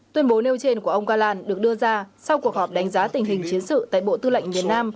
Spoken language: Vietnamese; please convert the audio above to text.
tuyên bố nêu trên của ông galan được đưa ra sau cuộc họp đánh giá tình hình chiến sự tại bộ tư lệnh miền nam